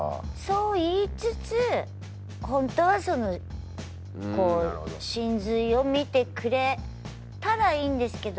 そう言いつつ本当はそのこう神髄を見てくれたらいいんですけど。